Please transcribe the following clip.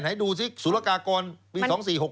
ไหนดูสิสุรกากรปี๒๔๖๖